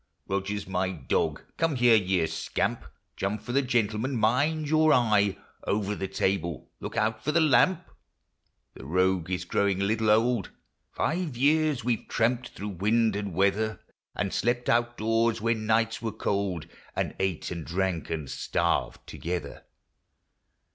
Roger 's my dog :— come here, you scamp ! Jump for the gentlemen, — mind your eye ! Over the table, — look out for the lamp !— The rogue is growing a little old ; Five years we 've tramped through wind and weather, And slept out doors Avhen nights Avere cold, And ate and drank — and starved together.